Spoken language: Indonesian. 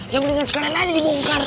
yang mendingan sekarang aja dibongkar